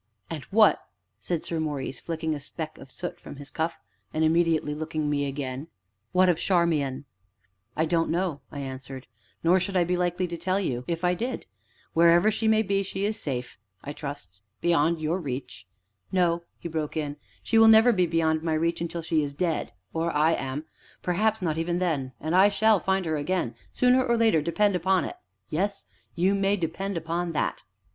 "And what," said Sir Maurice, flicking a speck of soot from his cuff, and immediately looking at me again, "what of Charmian?" "I don't know," I answered, "nor should I be likely to tell you, if I did; wherever she may be she is safe, I trust, and beyond your reach " "No," he broke in, "she will never be beyond my reach until she is dead or I am perhaps not even then, and I shall find her again, sooner or later, depend upon it yes, you may depend upon that!"